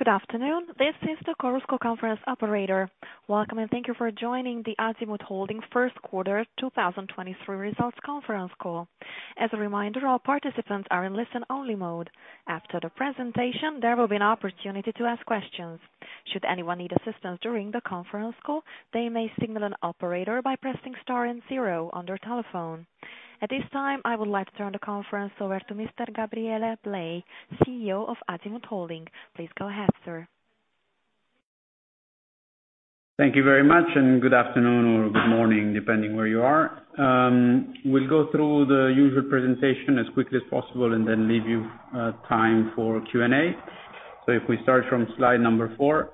Good afternoon. This is the conference operator. Welcome and thank you for joining the Azimut Holding First Quarter 2023 Results Conference Call. As a reminder, all participants are in listen-only mode. After the presentation, there will be an opportunity to ask questions. Should anyone need assistance during the conference call, they may signal an operator by pressing star and zero on their telephone. At this time, I would like to turn the conference over to Mr. Gabriele Blei, Chief Executive Officer of Azimut Holding. Please go ahead, sir. Thank you very much, good afternoon or good morning, depending where you are. We'll go through the usual presentation as quickly as possible, leave you time for Q&A. If we start from slide number four,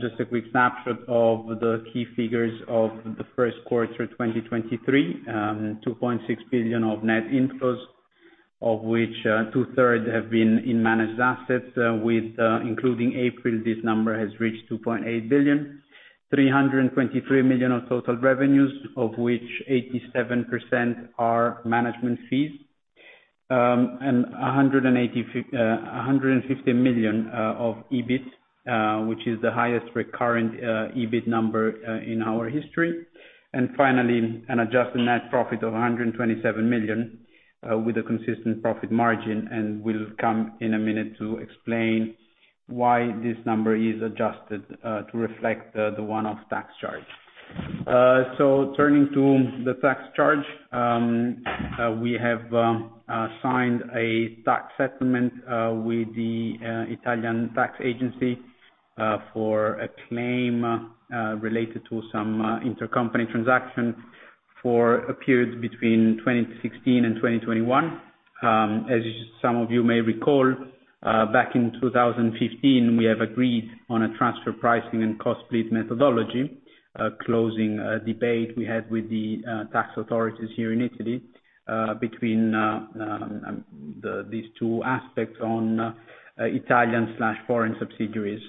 just a quick snapshot of the key figures of the first quarter, 2023. 2.6 billion of net inflows, of which two-thirds have been in managed assets, with including April, this number has reached 2.8 billion. 323 million of total revenues, of which 87% are management fees, 150 million of EBIT, which is the highest recurrent EBIT number in our history. Finally, an adjusted net profit of 127 million with a consistent profit margin. We'll come in a minute to explain why this number is adjusted to reflect the one-off tax charge. Turning to the tax charge, we have signed a tax settlement with the Italian Tax Agency for a claim related to some intercompany transaction for a period between 2016 and 2021. As some of you may recall, back in 2015, we have agreed on a transfer pricing and cost split methodology, closing a debate we had with the tax authorities here in Italy between these two aspects on Italian slash foreign subsidiaries.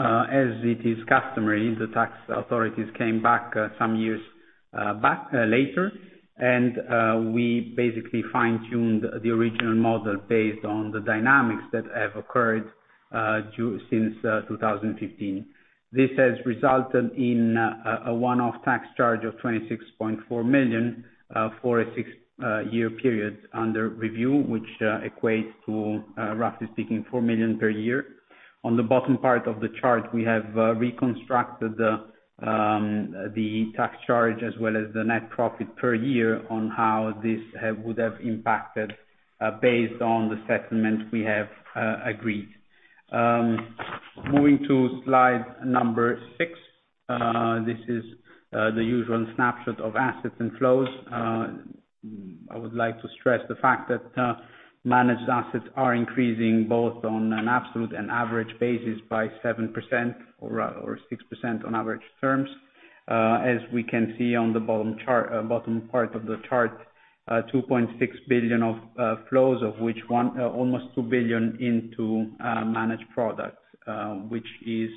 As it is customary, the tax authorities came back some years back later. We basically fine-tuned the original model based on the dynamics that have occurred since 2015. This has resulted in a one-off tax charge of 26.4 million for a six-year period under review, which equates to roughly speaking, 4 million per year. On the bottom part of the chart, we have reconstructed the tax charge as well as the net profit per year on how this would have impacted based on the settlement we have agreed. Moving to slide number six. This is the usual snapshot of assets and flows. I would like to stress the fact that managed assets are increasing both on an absolute and average basis by 7% or 6% on average terms. As we can see on the bottom chart, bottom part of the chart, 2.6 billion of flows of which one, almost 2 billion into managed products, which is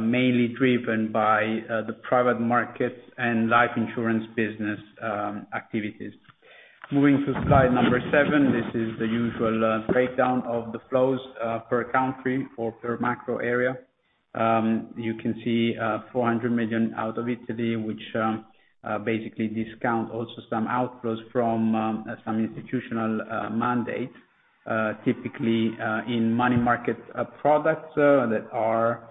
mainly driven by the private markets and life insurance business activities. Moving to slide number seven. This is the usual breakdown of the flows per country or per macro area. You can see 400 million out of Italy, which basically discount also some outflows from some institutional mandate, typically in money market products that are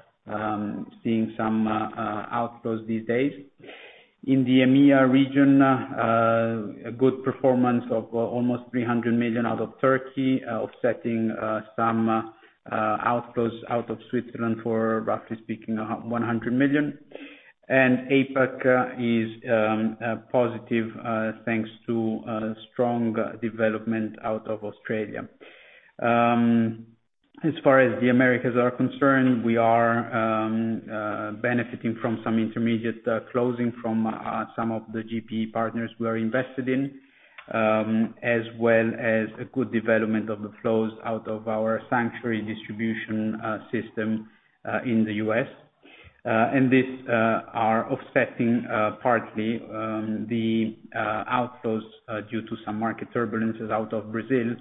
seeing some outflows these days. In the EMEA region, a good performance of almost 300 million out of Turkey, offsetting some outflows out of Switzerland for, roughly speaking, 100 million. APAC is positive thanks to strong development out of Australia. As far as the Americas are concerned, we are benefiting from some intermediate closing from some of the GP partners we are invested in, as well as a good development of the flows out of our Sanctuary distribution system in the U.S. This are offsetting partly the outflows due to some market turbulences out of Brazil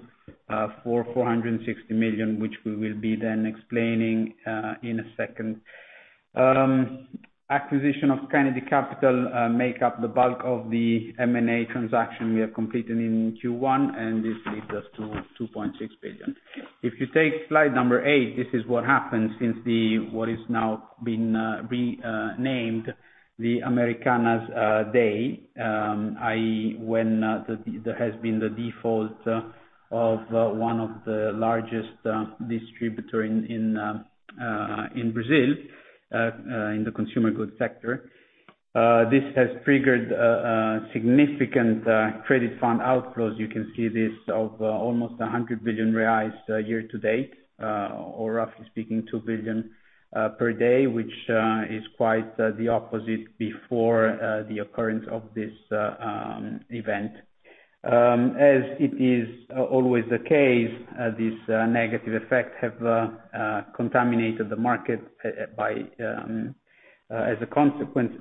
for 460 million, which we will be then explaining in a second. Acquisition of Canaccord Genuity make up the bulk of the M&A transaction we have completed in Q1, this leads us to 2.6 billion. If you take slide number eight, this is what happened since the, what is now been renamed the Americanas day. i.e., when there has been the default of one of the largest distributor in Brazil in the consumer goods sector. This has triggered significant credit fund outflows. You can see this of almost 100 billion reais year to date or roughly speaking, 2 billion per day, which is quite the opposite before the occurrence of this event. As it is always the case, this negative effect have contaminated the market by as a consequence.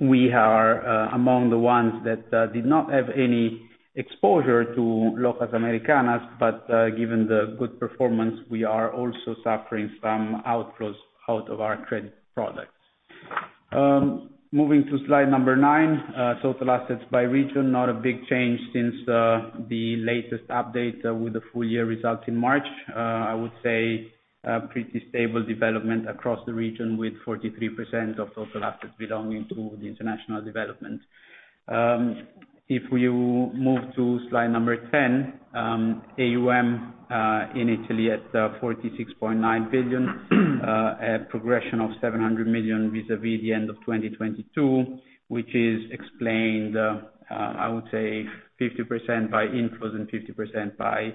We are among the ones that did not have any exposure to Lojas Americanas, but, given the good performance, we are also suffering some outflows out of our credit products. Moving to slide number nine, total assets by region, not a big change since the latest update with the full year results in March. I would say, pretty stable development across the region with 43% of total assets belonging to the international development. If you move to slide number 10, AUM in Italy at 46.9 billion, a progression of 700 million vis-à-vis the end of 2022, which is explained, I would say 50% by inflows and 50% by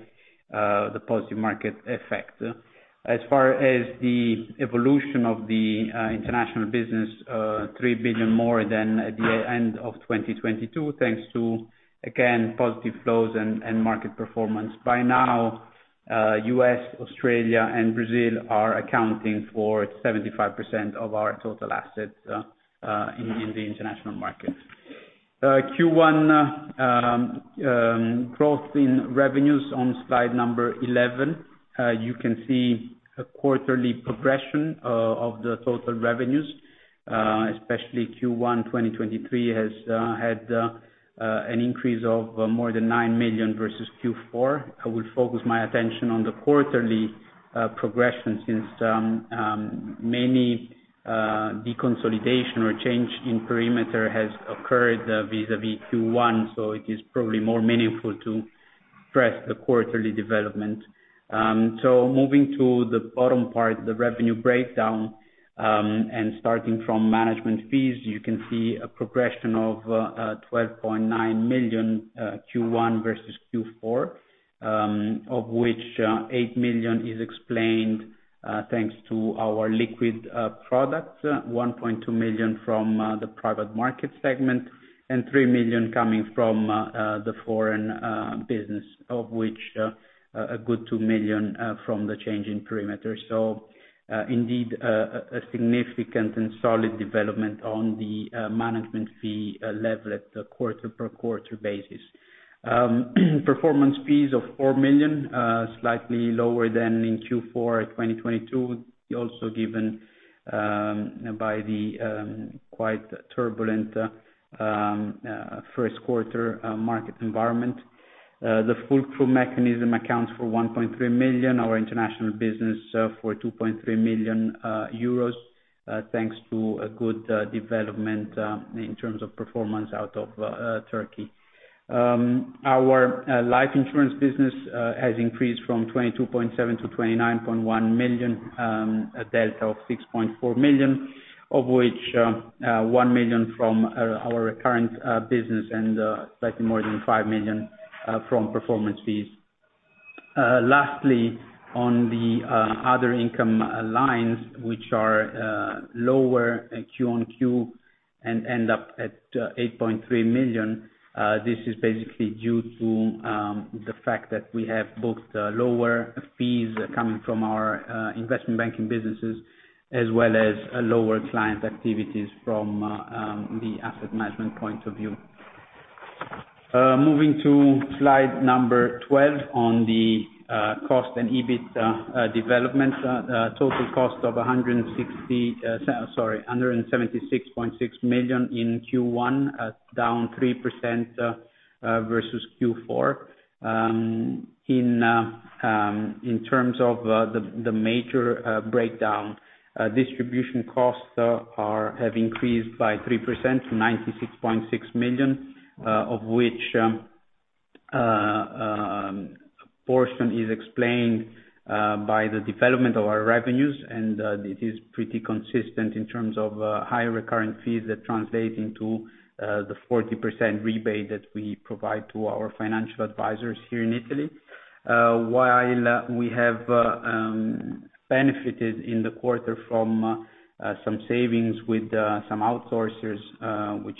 the positive market effect. As far as the evolution of the international business, 3 billion more than at the end of 2022, thanks to, again, positive flows and market performance. By now, U.S., Australia and Brazil are accounting for 75% of our total assets in the international market. Q1 growth in revenues on slide number 11. You can see a quarterly progression of the total revenues, especially Q1 2023 has had an increase of more than 9 million versus Q4. I will focus my attention on the quarterly progression since many deconsolidation or change in perimeter has occurred vis-à-vis Q1. It is probably more meaningful to track the quarterly development. Moving to the bottom part, the revenue breakdown, and starting from management fees, you can see a progression of 12.9 million Q1 versus Q4, of which 8 million is explained thanks to our liquid products, 1.2 million from the private market segment, and 3 million coming from the foreign business, of which a good 2 million from the change in perimeter. Indeed, a significant and solid development on the management fee level at the quarter-per-quarter basis. Performance fees of 4 million, slightly lower than in Q4 2022, also given by the quite turbulent first quarter market environment. The fulcrum fee accounts for 1.3 million, our international business for 2.3 million euros, thanks to a good development in terms of performance out of Turkey. Our life insurance business has increased from 22.7 million- 29.1 million, a delta of 6.4 million, of which 1 million from our current business and slightly more than 5 million from performance fees. Lastly, on the other income lines, which are lower Q-on-Q and end up at 8.3 million, this is basically due to the fact that we have both lower fees coming from our investment banking businesses, as well as lower client activities from the asset management point of view. Moving to slide number 12 on the cost and EBIT development. Total cost of 176.6 million in Q1, down 3% versus Q4. In terms of the major breakdown, distribution costs have increased by 3% to 96.6 million, of which a portion is explained by the development of our revenues. This is pretty consistent in terms of higher recurrent fees that translate into the 40% rebate that we provide to our financial advisors here in Italy. While we have benefited in the quarter from some savings with some outsourcers, which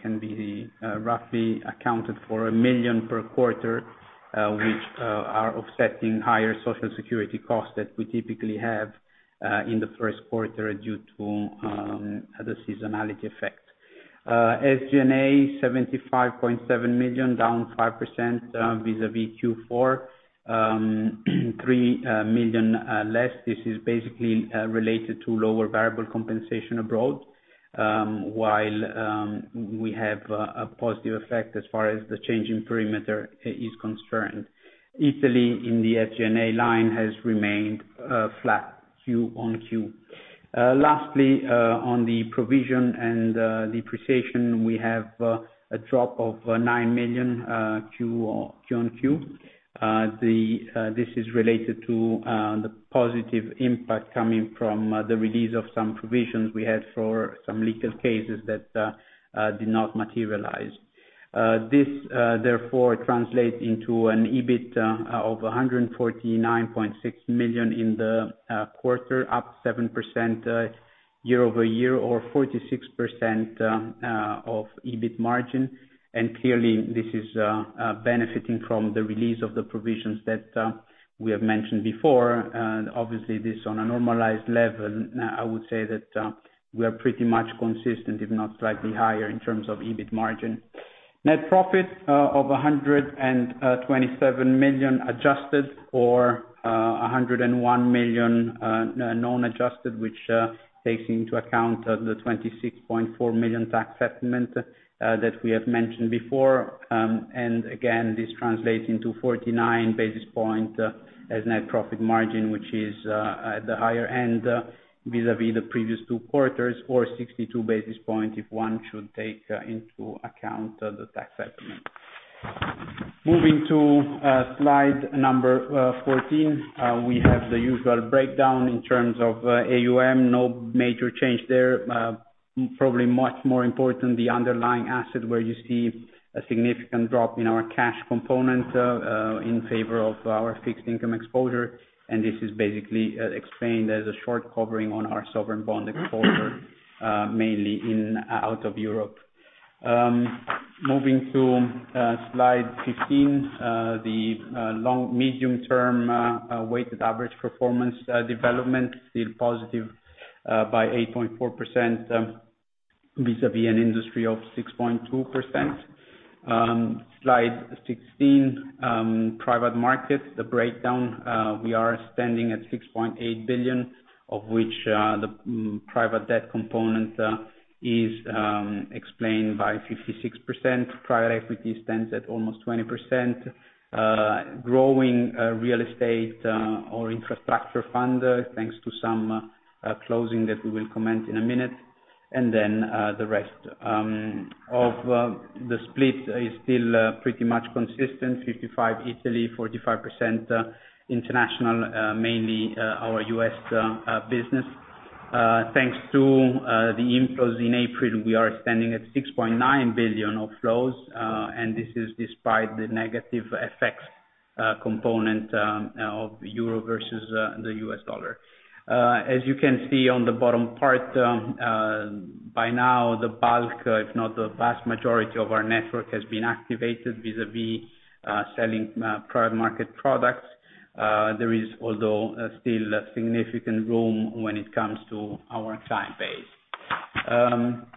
can be roughly accounted for 1 million per quarter, which are offsetting higher social security costs that we typically have in the first quarter due to the seasonality effect. SG&A 75.7 million, down 5% vis-à-vis Q4, 3 million less. This is basically related to lower variable compensation abroad, while we have a positive effect as far as the change in perimeter is concerned. Italy, in the SG&A line, has remained flat Q-on-Q. Lastly, on the provision and depreciation, we have a drop of 9 million Q or Q-on-Q. This is related to the positive impact coming from the release of some provisions we had for some legal cases that did not materialize. This therefore translates into an EBIT of 149.6 million in the quarter, up 7% year-over-year or 46% of EBIT margin. Clearly, this is benefiting from the release of the provisions that we have mentioned before. Obviously this on a normalized level, I would say that we are pretty much consistent, if not slightly higher, in terms of EBIT margin. Net profit of 127 million adjusted or 101 million non adjusted, which takes into account the 26.4 million tax settlement that we have mentioned before. Again, this translates into 49 basis point as net profit margin, which is at the higher end vis-à-vis the previous two quarters, or 62 basis point if one should take into account the tax settlement. Moving to slide number 14. We have the usual breakdown in terms of AUM. No major change there. Probably much more important, the underlying asset where you see a significant drop in our cash component in favor of our fixed income exposure. This is basically explained as a short covering on our sovereign bond exposure, mainly out of Europe. Moving to slide 15. The long medium-term weighted average performance development still positive by 8.4% vis-à-vis an industry of 6.2%. Slide 16. Private markets, the breakdown. We are standing at 6.8 billion, of which the private debt component is explained by 56%. Private equity stands at almost 20%. Growing real estate or infrastructure fund, thanks to some closing that we will comment in a minute. Then the rest. Of the split is still pretty much consistent. 55 Italy, 45% international, mainly our U.S. business. Thanks to the inflows in April, we are standing at 6.9 billion of flows. And this is despite the negative effects component of euro versus the U.S. dollar. As you can see on the bottom part, by now the bulk, if not the vast majority of our network has been activated vis-à-vis selling private market products. There is although still significant room when it comes to our client base.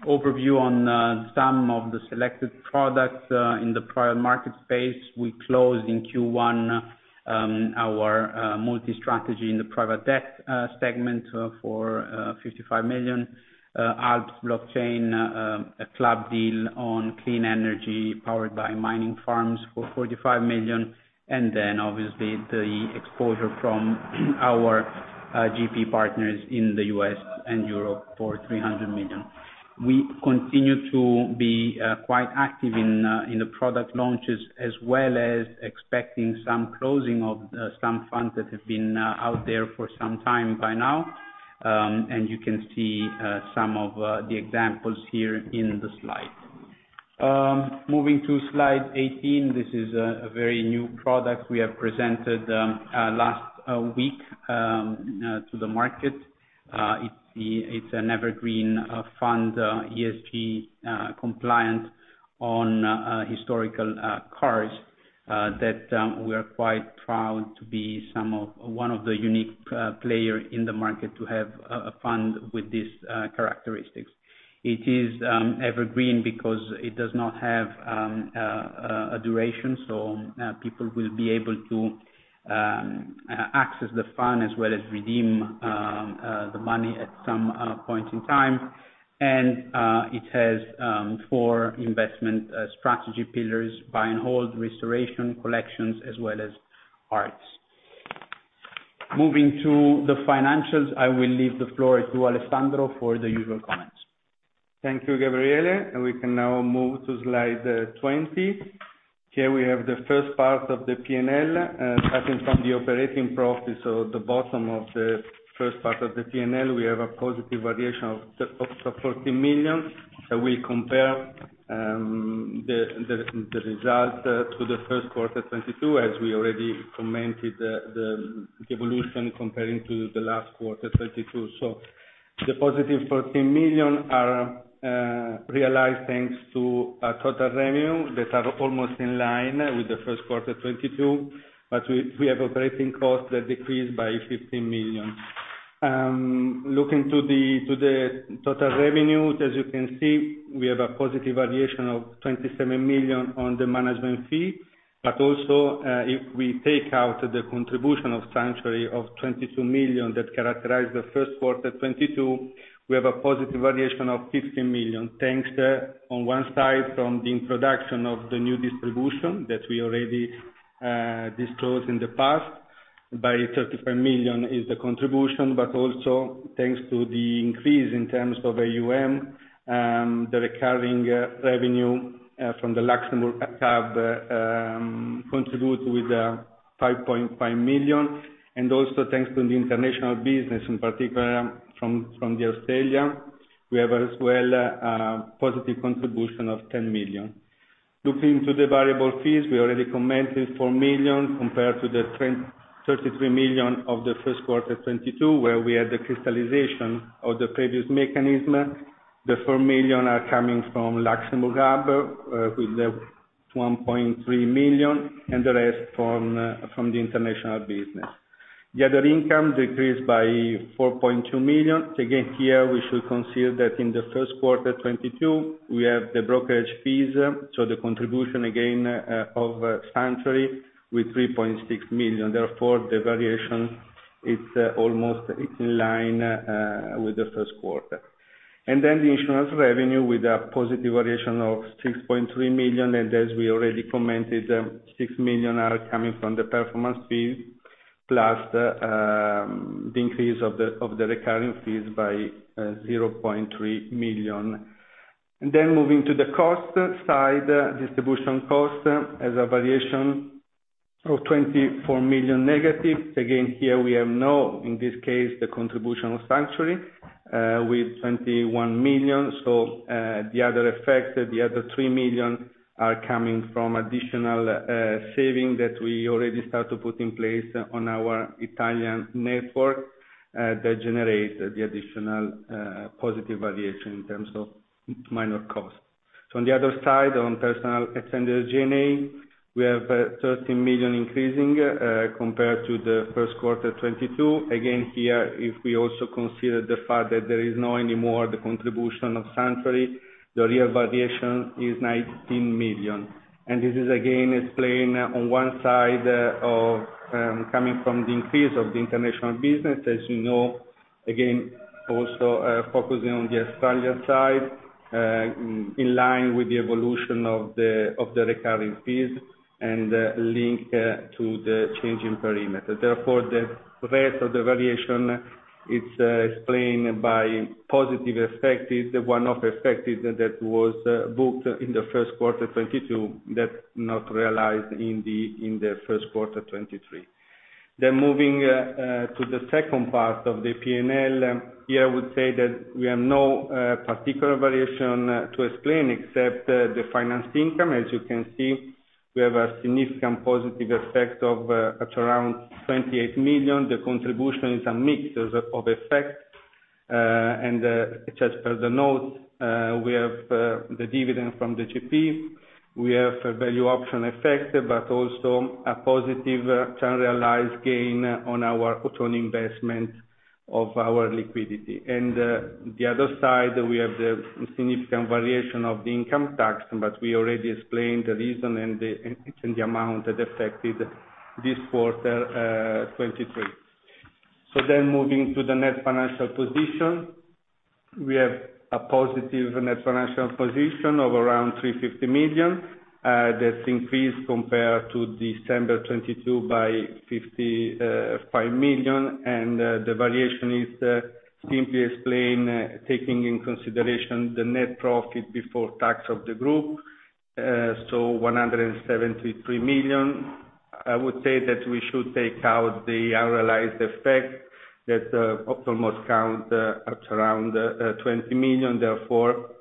Overview on some of the selected products in the private market space. We closed in Q1 our multi-strategy in the private debt segment for 55 million. Alps Blockchain, a club deal on clean energy powered by mining farms for 45 million. Obviously the exposure from our GP partners in the U.S. and Europe for 300 million. We continue to be quite active in the product launches, as well as expecting some closing of some funds that have been out there for some time by now. You can see some of the examples here in the slide. Moving to slide 18. This is a very new product we have presented last week to the market. It's the, it's an evergreen fund, ESG compliant on historical cars that we are quite proud to be some of... One of the unique player in the market to have a fund with this characteristics. It is evergreen because it does not have a duration. People will be able to access the fund as well as redeem the money at some point in time. It has four investment strategy pillars: buy and hold, restoration, collections, as well as arts. Moving to the financials, I will leave the floor to Alessandro for the usual comments. Thank you, Gabriele. We can now move to slide 20. Here we have the first part of the P&L, starting from the operating profit. The bottom of the first part of the P&L, we have a positive variation of 14 million. I will compare the result to the first quarter 2022, as we already commented, the evolution comparing to the last quarter 2022. The positive 14 million are realized thanks to total revenue that are almost in line with the first quarter 2022. We have operating costs that decreased by 15 million. Looking to the total revenues, as you can see, we have a positive variation of 27 million on the management fee. Also, if we take out the contribution of Sanctuary of 22 million that characterize the first quarter 2022, we have a positive variation of 15 million. Thanks, on one side, from the introduction of the new distribution that we already disclosed in the past. By 33 million is the contribution, but also thanks to the increase in terms of AUM, the recurring revenue from the Luxembourg hub contribute with 5.5 million, and also thanks to the international business in particular from the Australia, we have as well, a positive contribution of 10 million. Looking to the variable fees, we already commented 4 million compared to 33 million of the first quarter 2022, where we had the crystallization of the previous mechanism. The 4 million are coming from Luxembourg hub, with the 1.3 million, and the rest from the international business. The other income decreased by 4.2 million. Again, here we should consider that in the first quarter, 2022, we have the brokerage fees, so the contribution again of Sanctuary with 3.6 million. Therefore, the variation it's almost in line with the first quarter. The insurance revenue with a positive variation of 6.3 million. As we already commented, 6 million are coming from the performance fees, plus the increase of the recurring fees by 0.3 million. Moving to the cost side, distribution cost has a variation of 24 million negative. Again, here we have no, in this case, the contribution of Sanctuary with 21 million. The other effects, the other 3 million are coming from additional saving that we already start to put in place on our Italian network that generate the additional positive variation in terms of minor costs. On the other side, on personnel expenses G&A, we have 13 million increasing compared to the first quarter 22. Again, here, if we also consider the fact that there is no anymore the contribution of Sanctuary Wealth, the real variation is 19 million. This is again explained on one side of coming from the increase of the international business. As you know, again, also focusing on the Australian side, in line with the evolution of the recurring fees and linked to the change in perimeter. The rest of the variation it's explained by positive effective, the one-off effective that was booked in the first quarter 2022, that not realized in the first quarter 2023. Moving to the second part of the P&L, here I would say that we have no particular variation to explain except the finance income. As you can see, we have a significant positive effect at around 28 million. The contribution is a mix of effect. Just for the note, we have the dividend from the GP. We have a value option effect, but also a positive unrealized gain on our return investment of our liquidity. The other side, we have the significant variation of the income tax, but we already explained the reason and the, and the amount that affected this quarter 2023. Moving to the net financial position. We have a positive net financial position of around 350 million. That's increased compared to December 2022 by 55 million. The variation is simply explained, taking in consideration the net profit before tax of the group. 173 million. I would say that we should take out the unrealized effect that almost count at around 20 million. Therefore,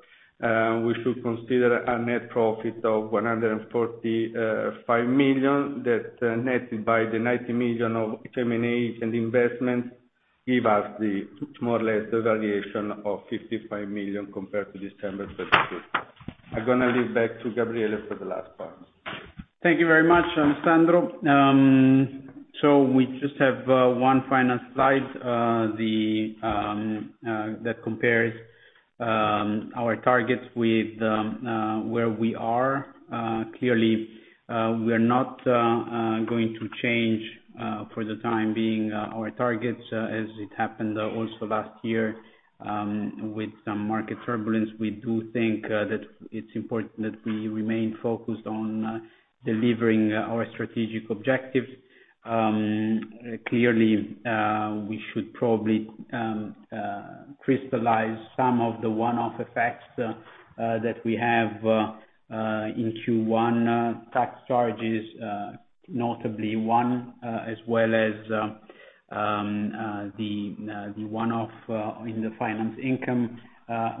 we should consider a net profit of 145 million that's netted by the 90 million of M&A and investment give us the more or less the variation of 55 million compared to December 2022. I'm gonna leave back to Gabriele for the last part. Thank you very much, Alessandro. We just have one final slide, the that compares our targets with where we are. Clearly, we're not going to change for the time being our targets, as it happened also last year with some market turbulence. We do think that it's important that we remain focused on delivering our strategic objectives. Clearly, we should probably crystallize some of the one-off effects that we have in Q1. Tax charges, notably one, as well as the one-off in the finance income,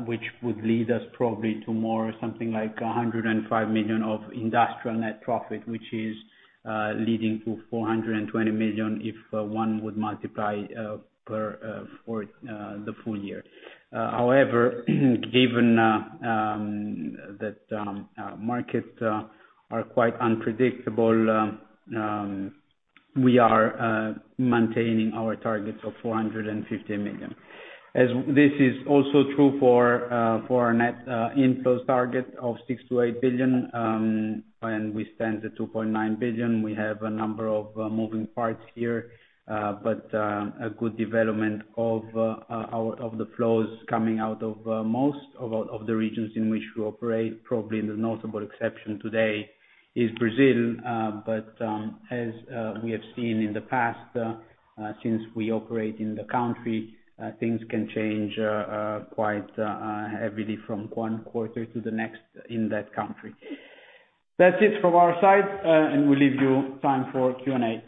which would lead us probably to more something like 105 million of industrial net profit, which is leading to 420 million if one would multiply per for the full year. Given that markets are quite unpredictable, we are maintaining our targets of 450 million. As this is also true for for our net inflows target of 6 billion-8 billion, and we stand at 2.9 billion. We have a number of moving parts here, but a good development of the flows coming out of most of the regions in which we operate. Probably the notable exception today is Brazil. But as we have seen in the past, since we operate in the country, things can change quite heavily from one quarter to the next in that country. That's it from our side, we'll leave you time for Q&A.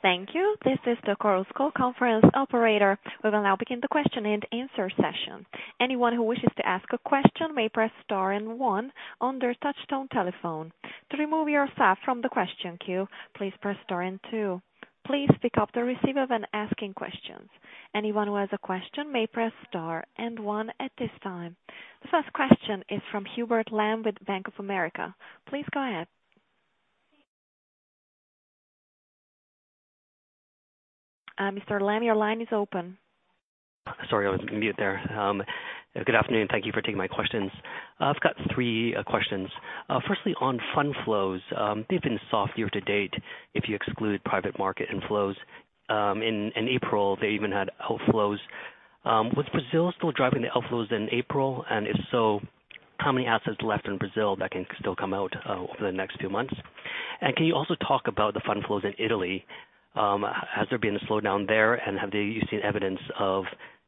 Thank you. This is the Chorus Call Conference operator. We will now begin the question and answer session. Anyone who wishes to ask a question may press star one on their touchtone telephone. To remove yourself from the question queue, please press star two. Please pick up the receiver when asking questions. Anyone who has a question may press star and one at this time. The first question is from Hubert Lam with Bank of America. Please go ahead. Mr. Lam, your line is open. Sorry, I was on mute there. Good afternoon. Thank you for taking my questions. I've got three questions. Firstly, on fund flows, they've been soft year to date if you exclude private market inflows. In April, they even had outflows. Was Brazil still driving the outflows in April? If so, how many assets left in Brazil that can still come out over the next few months? Can you also talk about the fund flows in Italy? Has there been a slowdown there and have you seen evidence of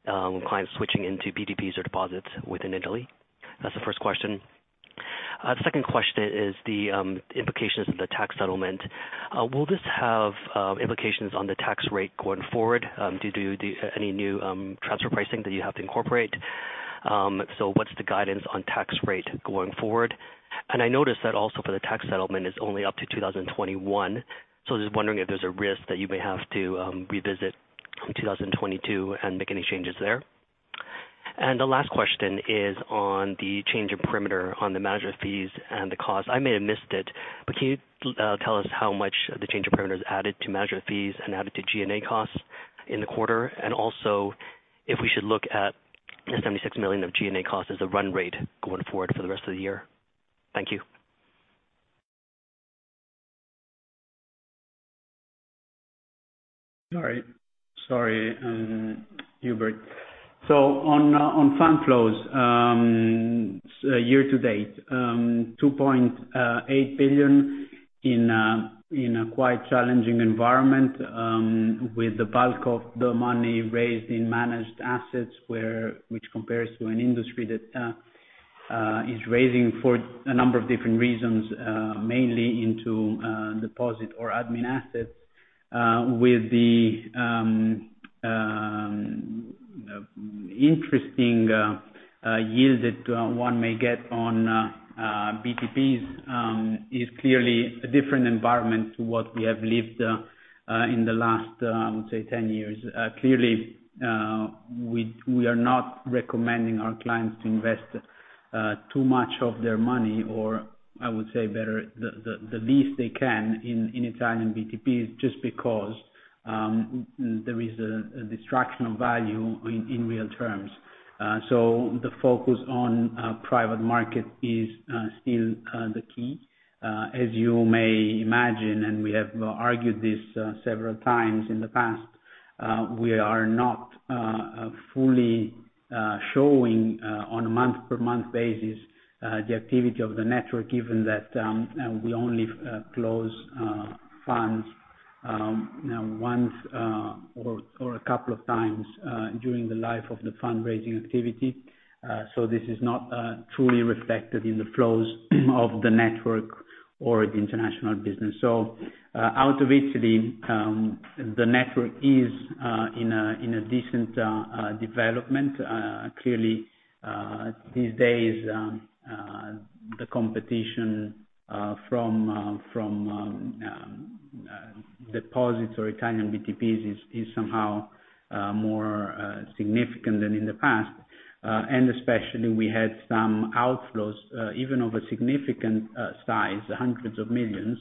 clients switching into PIPs or deposits within Italy? That's the first question. The second question is the implications of the tax settlement. Will this have implications on the tax rate going forward due to the any new transfer pricing that you have to incorporate? What's the guidance on tax rate going forward? I noticed that also for the tax settlement is only up to 2021. Just wondering if there's a risk that you may have to revisit 2022 and make any changes there. The last question is on the change in perimeter on the management fees and the cost. I may have missed it, but can you tell us how much the change in perimeter has added to management fees and added to G&A costs in the quarter? Also, if we should look at the 76 million of G&A costs as a run rate going forward for the rest of the year. Thank you. All right. Sorry, Hubert. On fund flows, year to date, 2.8 billion in a quite challenging environment, with the bulk of the money raised in managed assets which compares to an industry that is raising for a number of different reasons, mainly into deposit or admin assets, with the interesting yield that one may get on BTPs, is clearly a different environment to what we have lived in the last, I would say 10 years. Clearly, we are not recommending our clients to invest too much of their money, or I would say better, the least they can in Italian BTPs, just because there is a distraction of value in real terms. The focus on private market is still the key. As you may imagine, and we have argued this several times in the past, we are not fully showing on a month-per-month basis the activity of the network, given that we only close funds, you know, once or a couple of times during the life of the fundraising activity. This is not truly reflected in the flows of the network or the international business. Out of Italy, the network is in a decent development. Clearly, these days, the competition from deposits or Italian BTPs is somehow more significant than in the past. Especially we had some outflows, even of a significant size, hundreds of millions,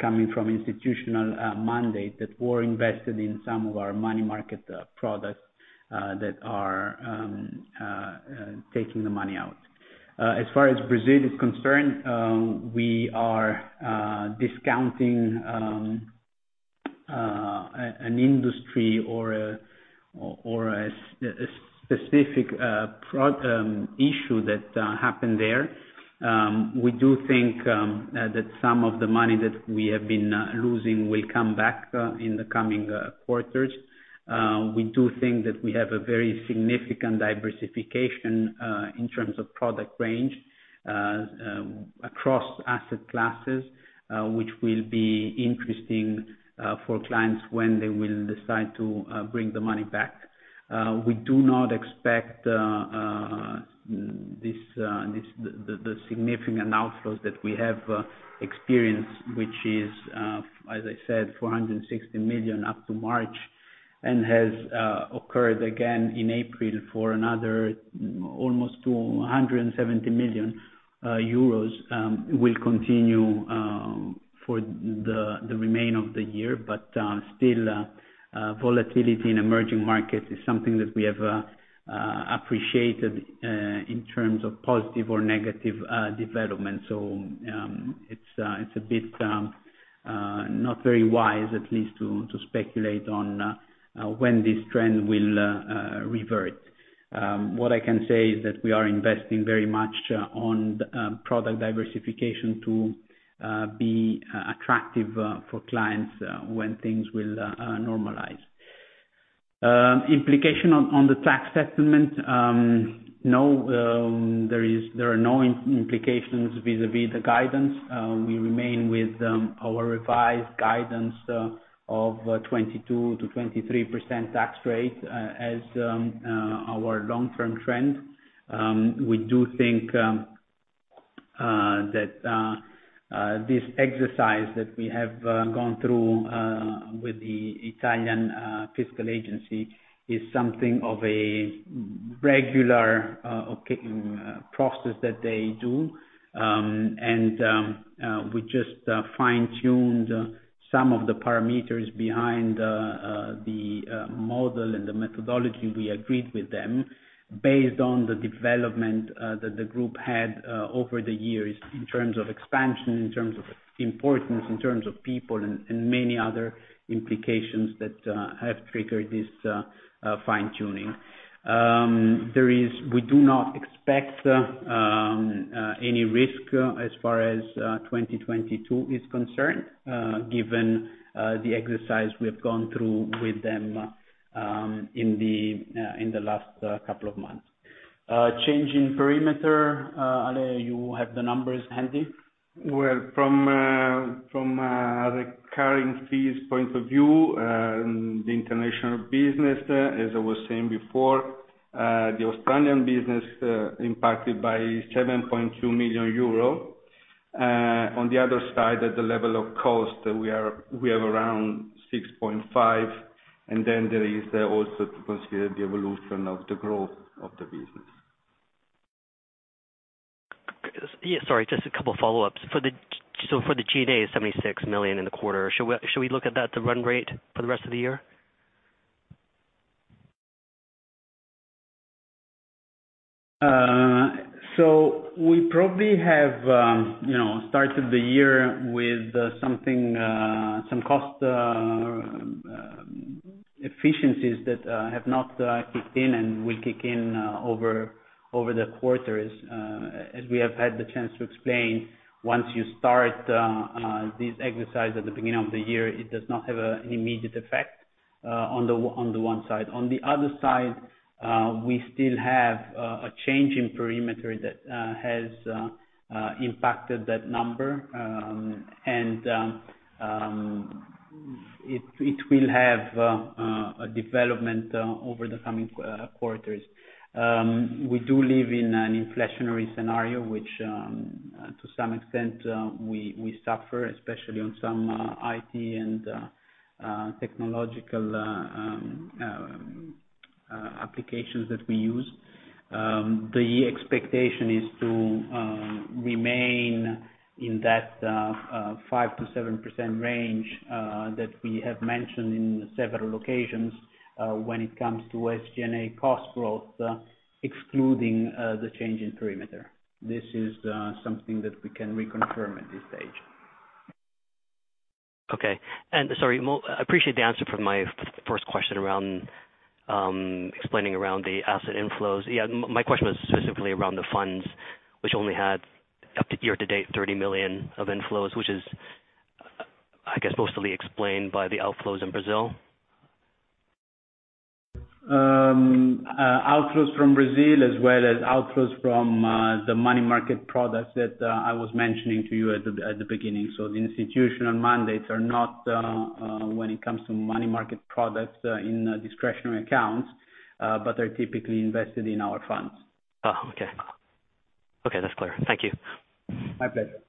coming from institutional mandate that were invested in some of our money market products, that are taking the money out. As far as Brazil is concerned, we are discounting an industry or a specific issue that happened there. We do think that some of the money that we have been losing will come back in the coming quarters. We do think that we have a very significant diversification in terms of product range across asset classes, which will be interesting for clients when they will decide to bring the money back. We do not expect this significant outflows that we have experienced, which is as I said, 460 million up to March and has occurred again in April for another almost 270 million euros, will continue for the remain of the year. Still, volatility in emerging markets is something that we have appreciated in terms of positive or negative development. It's a bit not very wise, at least, to speculate on when this trend will revert. What I can say is that we are investing very much on the product diversification to be attractive for clients when things will normalize. Implication on the tax settlement, no, there are no implications vis-à-vis the guidance. We remain with our revised guidance of 22%-23% tax rate as our long-term trend. We do think that this exercise that we have gone through with the Italian Fiscal Agency is something of a regular, okay, process that they do. We just fine-tuned some of the parameters behind the model and the methodology we agreed with them based on the development that the group had over the years in terms of expansion, in terms of importance, in terms of people and many other implications that have triggered this fine-tuning. We do not expect any risk as far as 2022 is concerned, given the exercise we have gone through with them in the last couple of months. Change in perimeter, Ale, you have the numbers handy. Well, from recurring fees point of view, the international business, as I was saying before, the Australian business, impacted by 7.2 million euro. On the other side, at the level of cost, we have around 6.5 million, and then there is also to consider the evolution of the growth of the business. Yeah. Sorry, just a couple follow-ups. For the G&A, 76 million in the quarter, shall we look at that, the run rate for the rest of the year? We probably have, you know, started the year with something, some cost efficiencies that have not kicked in and will kick in over the quarters. We have had the chance to explain, once you start this exercise at the beginning of the year, it does not have an immediate effect on the one side. On the other side, we still have a change in perimeter that has impacted that number. It will have a development over the coming quarters. We do live in an inflationary scenario, which to some extent we suffer, especially on some IT and technological applications that we use. The expectation is to remain in that 5%-7% range that we have mentioned in several occasions when it comes to SG&A cost growth, excluding the change in perimeter. This is something that we can reconfirm at this stage. Okay. Sorry, I appreciate the answer from my first question around explaining around the asset inflows. Yeah, my question was specifically around the funds, which only had up to year-to-date 30 million of inflows, which is, I guess, mostly explained by the outflows in Brazil. Outflows from Brazil as well as outflows from the money market products that I was mentioning to you at the beginning. The institutional mandates are not when it comes to money market products in discretionary accounts, but are typically invested in our funds. Oh, okay. Okay, that's clear. Thank you. My pleasure.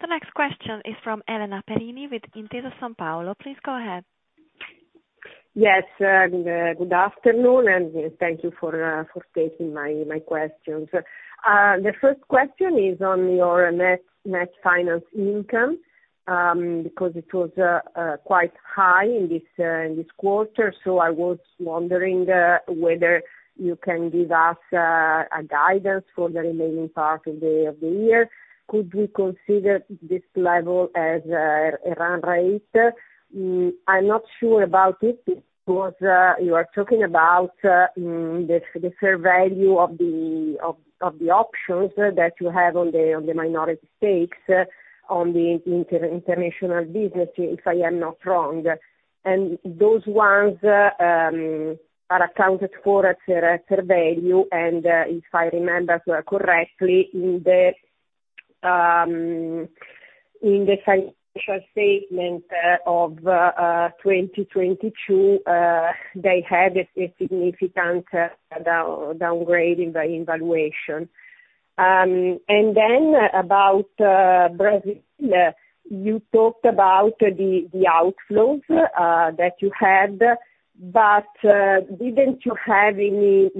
The next question is from Elena Perini with Intesa Sanpaolo. Please go ahead. Yes, good afternoon, and thank you for taking my questions. The first question is on your net finance income, because it was quite high in this quarter. I was wondering whether you can give us a guidance for the remaining part of the year. Could we consider this level as a run rate? I'm not sure about it because you are talking about the fair value of the options that you have on the minority stakes, on the inter-international business, if I am not wrong. Those ones are accounted for at fair value. If I remember correctly, in the financial statement of 2022, they had a significant downgrade in the evaluation. About Brazil, you talked about the outflows that you had. Didn't you have any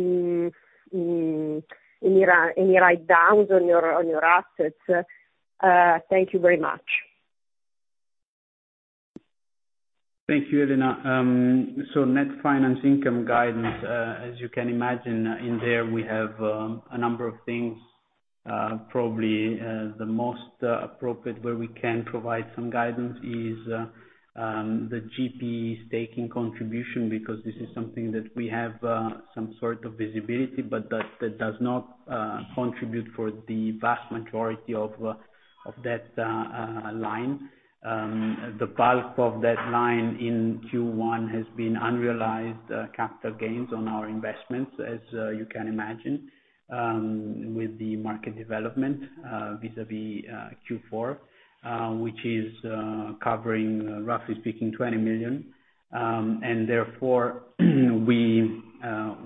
write downs on your assets? Thank you very much. Thank you, Elena. Net finance income guidance, as you can imagine, in there we have a number of things. Probably the most appropriate where we can provide some guidance is the GP staking contribution, because this is something that we have some sort of visibility, but that does not contribute for the vast majority of that line. The bulk of that line in Q1 has been unrealized capital gains on our investments, as you can imagine, with the market development vis-à-vis Q4, which is covering, roughly speaking, 20 million.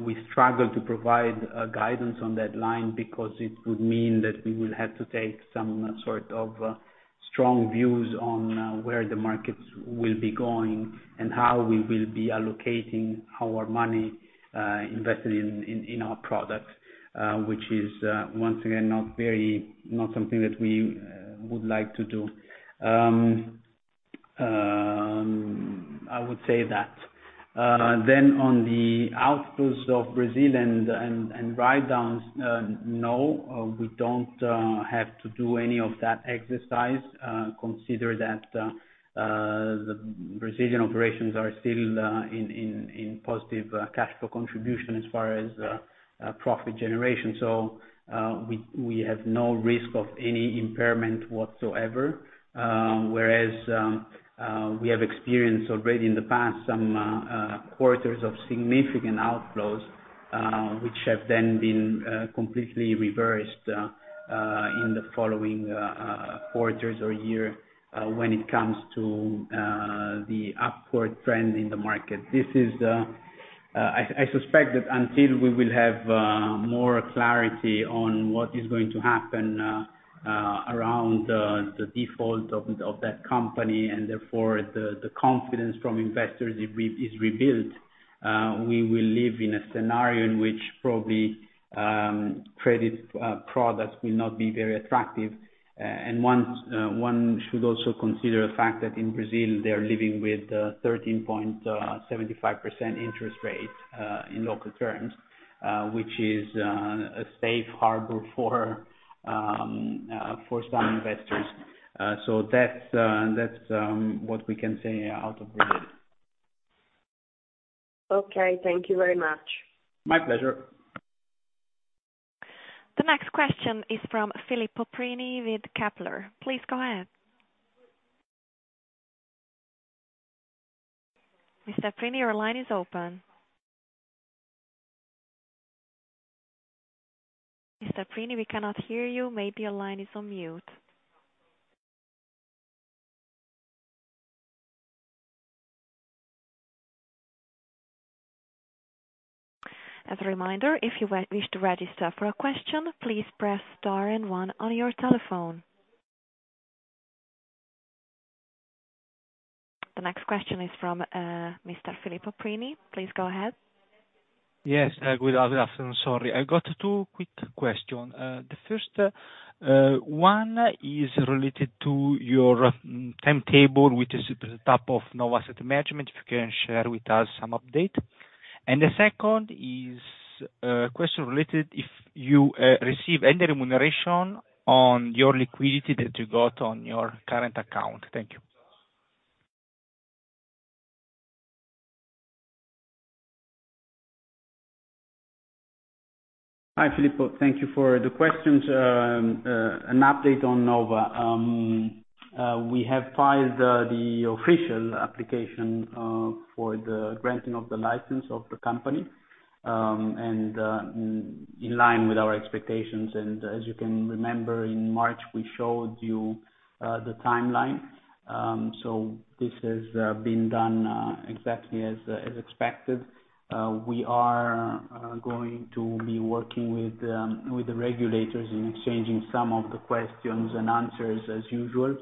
We struggle to provide guidance on that line because it would mean that we will have to take some sort of strong views on where the markets will be going and how we will be allocating our money invested in our product, which is, once again, not very, not something that we would like to do. I would say that. Then on the outputs of Brazil and writedowns, no, we don't have to do any of that exercise. Consider that the Brazilian operations are still in positive cash flow contribution as far as profit generation. So, we have no risk of any impairment whatsoever. Whereas, we have experienced already in the past some quarters of significant outflows, which have then been completely reversed in the following quarters or year, when it comes to the upward trend in the market. This is, I suspect that until we will have more clarity on what is going to happen around the default of that company, and therefore the confidence from investors is rebuilt, we will live in a scenario in which probably, credit products will not be very attractive. One should also consider the fact that in Brazil they are living with 13.75% interest rate in local terms, which is a safe harbor for some investors. That's what we can say out of Brazil. Okay. Thank you very much. My pleasure. The next question is from Philippe Paupini with Kepler. Please go ahead. Mr. Paupini, your line is open. Mr. Paupini, we cannot hear you. Maybe your line is on mute. As a reminder, if you we wish to register for a question, please press star and 1 on your telephone. The next question is from Mr. Philippe Paupini. Please go ahead. Yes. Good afternoon. Sorry. I've got two quick question. The first one is related to your timetable, which is the top of Nova Asset Management, if you can share with us some update? The second is question related if you receive any remuneration on your liquidity that you got on your current account? Thank you. Hi, Philippe. Thank you for the questions. An update on Nova. We have filed the official application for the granting of the license of the company, in line with our expectations. As you can remember, in March, we showed you the timeline. This has been done exactly as expected. We are going to be working with the regulators in exchanging some of the questions and answers as usual.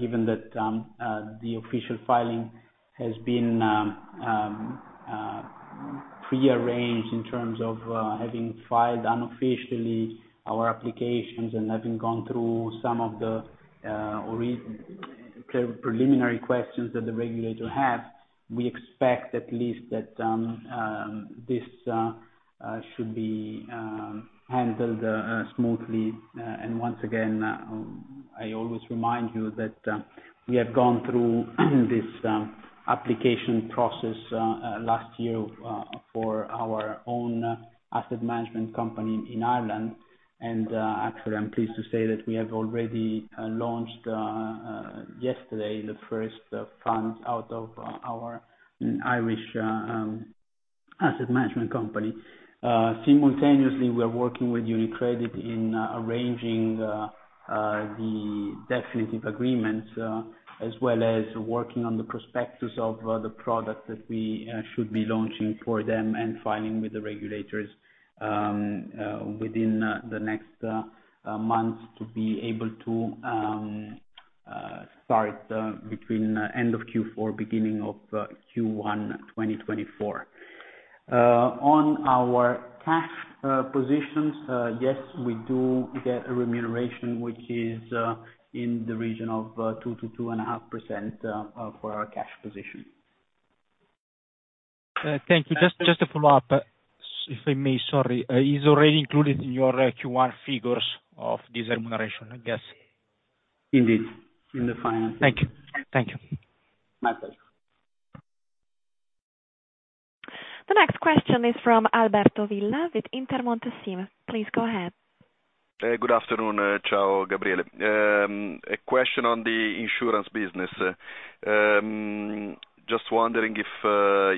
Given that the official filing has been prearranged in terms of having filed unofficially our applications and having gone through some of the preliminary questions that the regulator have, we expect at least that this should be handled smoothly. Once again, I always remind you that we have gone through this application process last year for our own asset management company in Ireland. Actually, I am pleased to say that we have already launched yesterday the first funds out of our Irish asset management company. Simultaneously, we are working with UniCredit in arranging the definitive agreements as well as working on the prospectus of the product that we should be launching for them and filing with the regulators within the next month to be able to start between end of Q4, beginning of Q1, 2024. On our cash positions, yes, we do get a remuneration which is in the region of 2-2.5% for our cash position. Thank you. Just to follow up, if I may. Sorry. Is already included in your Q1 figures of this remuneration, I guess? Indeed, in the finances. Thank you. Thank you. My pleasure. The next question is from Alberto Villa with Intermonte SIM. Please go ahead. Good afternoon. Ciao, Gabriele. A question on the insurance business. Just wondering if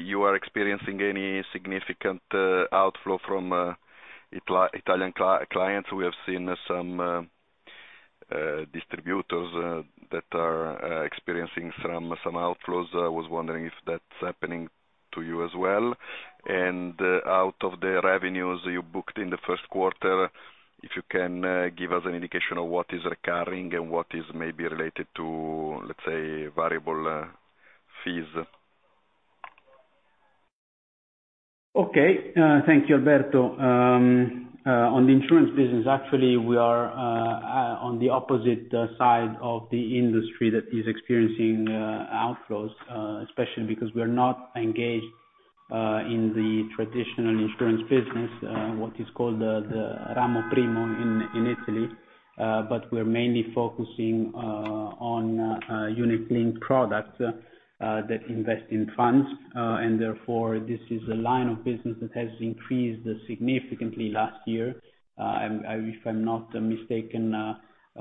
you are experiencing any significant outflow from Italian clients? We have seen some distributors that are experiencing some outflows. I was wondering if that's happening to you as well. Out of the revenues you booked in the first quarter, if you can give us an indication of what is recurring and what is maybe related to, let's say, variable fees? Alberto. On the insurance business, actually we are on the opposite side of the industry that is experiencing outflows, especially because we're not engaged in the traditional insurance business, what is called the Ramo I in Italy. But we're mainly focusing on unit-linked products that invest in funds. Therefore, this is a line of business that has increased significantly last year. If I'm not mistaken,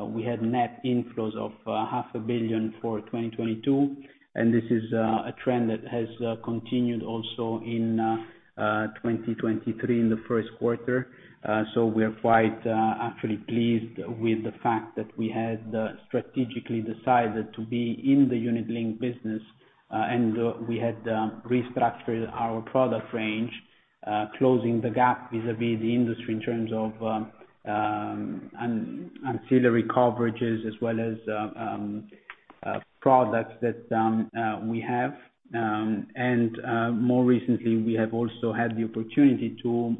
we had net inflows of half a billion for 2022, and this is a trend that has continued also in 2023 in the first quarter. We're quite actually pleased with the fact that we had strategically decided to be in the unit-linked business, we had restructured our product range, closing the gap vis-à-vis the industry in terms of ancillary coverages as well as products that we have. More recently, we have also had the opportunity to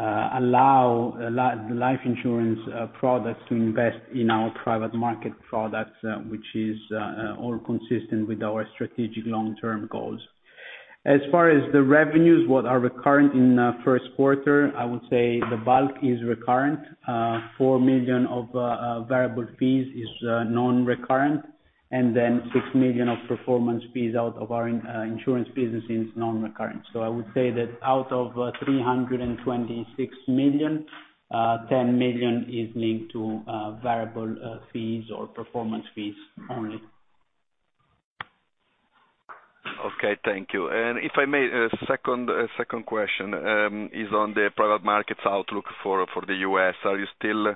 allow a life insurance products to invest in our private market products, which is all consistent with our strategic long-term goals. As far as the revenues, what are recurrent in the first quarter, I would say the bulk is recurrent. 4 million of variable fees is non-recurrent, then 6 million of performance fees out of our insurance business is non-recurrent. I would say that out of 326 million, 10 million is linked to variable fees or performance fees only. Okay, thank you. If I may, second question is on the private markets outlook for the U.S. Are you still,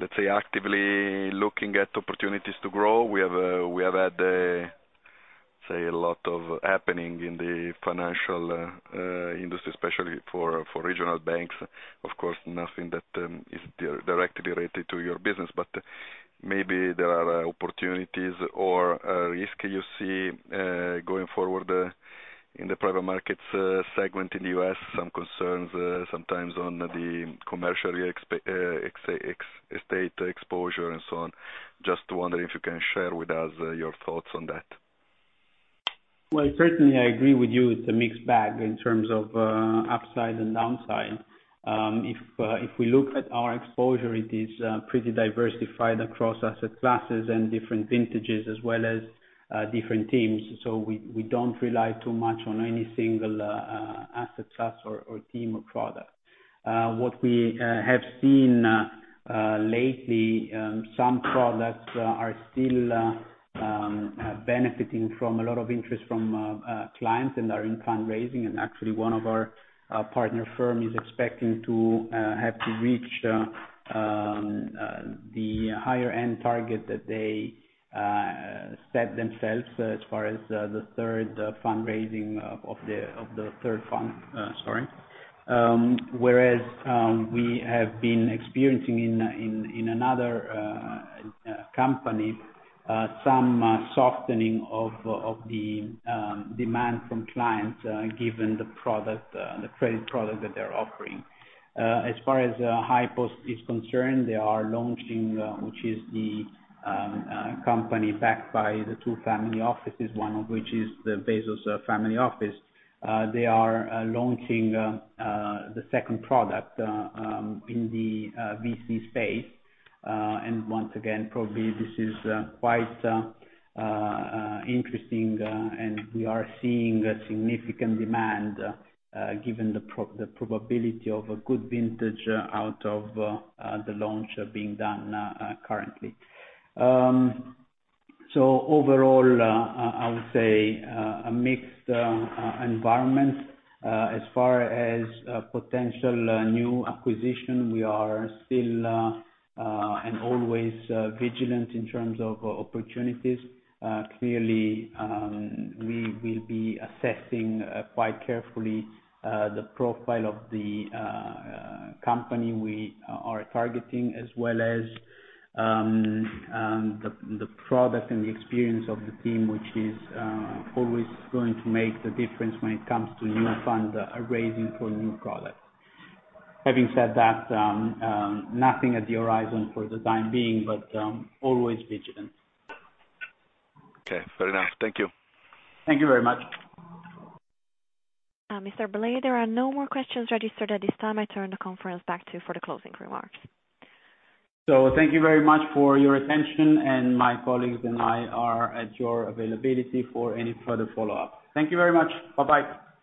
let's say, actively looking at opportunities to grow? We have had a, say, a lot of happening in the financial industry, especially for regional banks. Of course, nothing that is directly related to your business, but maybe there are opportunities or a risk you see going forward in the private markets segment in the U.S., some concerns sometimes on the commercial real estate exposure and so on. Just wondering if you can share with us your thoughts on that. Well, certainly I agree with you. It's a mixed bag in terms of upside and downside. If we look at our exposure, it is pretty diversified across asset classes and different vintages as well as different teams. We don't rely too much on any single asset class or team or product. What we have seen lately, some products are still benefiting from a lot of interest from clients and are in fundraising. Actually one of our partner firm is expecting to have to reach the higher end target that they set themselves as far as the third fundraising of the third fund, sorry. Whereas, we have been experiencing in another company, some softening of the demand from clients, given the product, the credit product that they're offering. As far as HighPost is concerned, they are launching, which is the company backed by the two family offices, one of which is the Bezos family office. They are launching the second product in the VC space. Once again, probably this is quite interesting, and we are seeing a significant demand, given the probability of a good vintage out of the launch being done currently. Overall, I would say a mixed environment. As far as potential new acquisition, we are still always vigilant in terms of opportunities. Clearly, we will be assessing quite carefully the profile of the company we are targeting, as well as the product and the experience of the team, which is always going to make the difference when it comes to new funds raising for new products. Having said that, nothing at the horizon for the time being, but always vigilant. Okay, fair enough. Thank you. Thank you very much. Mr. Blei, there are no more questions registered at this time. I turn the conference back to you for the closing remarks. Thank you very much for your attention, and my colleagues and I are at your availability for any further follow-up. Thank you very much. Bye-bye.